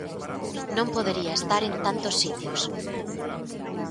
Non podería estar en tantos sitios.